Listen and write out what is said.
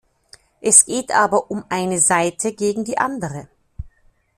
Hier geht es aber um eine Seite gegen die andere.